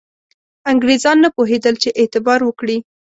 انګرېزان نه پوهېدل چې اعتبار وکړي.